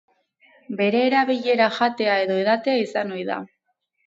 Bere erabilera jatea edo edatea izan ohi da.